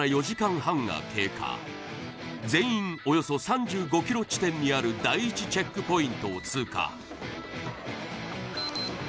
４時間半が経過全員およそ３５ｋｍ地点にある第１チェックポイントを通過